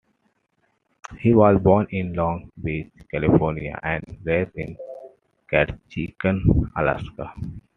He was born in Long Beach, California and raised in Ketchikan, Alaska.